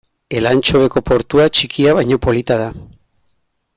Elantxobeko portua txikia baina polita da.